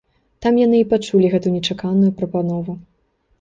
Там яны і пачулі гэтую нечаканую прапанову.